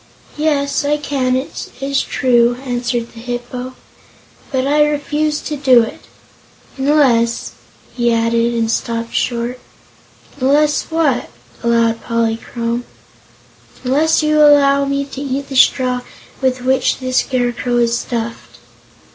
"Yes; I can, it is true," answered the Hip po; "but I refuse to do it. Unless " he added, and stopped short. "Unless what?" asked Polychrome. "Unless you first allow me to eat the straw with which the Scarecrow is stuffed."